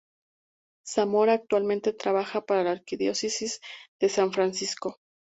Zamora actualmente trabaja para la Arquidiócesis de San Francisco.